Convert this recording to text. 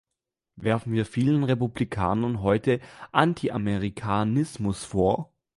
Werfen wir vielen Republikanern heute Antiamerikanismus vor?